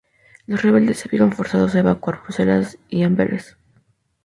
Los rebeldes se vieron forzados a evacuar Bruselas y Amberes.